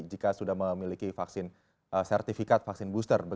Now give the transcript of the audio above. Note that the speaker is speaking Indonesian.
jika sudah memiliki vaksin sertifikat vaksin booster